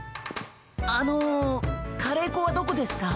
あのカレーこはどこですか？